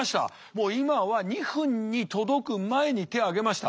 もう今は２分に届く前に手挙げました。